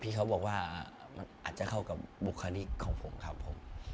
เขาบอกว่ามันอาจจะเข้ากับบุคลิกของผมครับผม